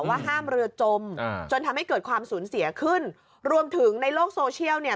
ว่าห้ามเรือจมอ่าจนทำให้เกิดความสูญเสียขึ้นรวมถึงในโลกโซเชียลเนี่ย